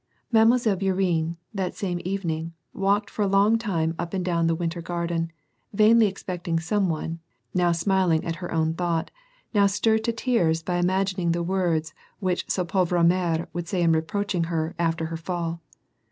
Mile. Bourienne, that same evening, walked for a long time up and down the winter garden, vainly expecting some one, now smiling at her own thought, now stirred to tears by imag ining the words which sa pauvre mh'e would say in reproach ing her after her fall.